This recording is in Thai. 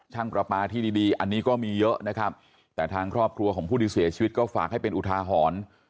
ประปาที่ดีดีอันนี้ก็มีเยอะนะครับแต่ทางครอบครัวของผู้ที่เสียชีวิตก็ฝากให้เป็นอุทาหรณ์